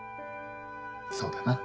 そうだな。